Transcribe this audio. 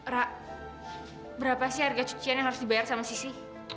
rak berapa sih harga cucian yang harus dibayar sama sisi